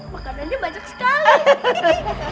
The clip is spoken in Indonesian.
makanannya banyak sekali